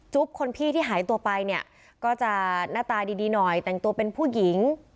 คนพี่ที่หายตัวไปเนี่ยก็จะหน้าตาดีหน่อยแต่งตัวเป็นผู้หญิง